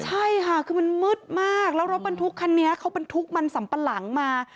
ใช่ค่ะคือมันมืดมากแล้วรถบรรทุกคันนี้เขาบรรทุกมันสัมปะหลังมา